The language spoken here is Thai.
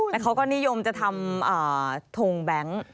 แล้วเขาก็นิยมจะทำทงแบงค์